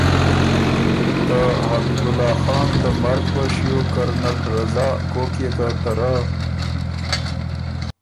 ته حبیب الله حان ته مرګ په شیو کرنل رضا کوک يې که ته رۀ